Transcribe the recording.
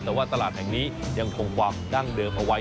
แต่ว่าตลาดแห่งนี้ยังคงความดั้งเดิมเอาไว้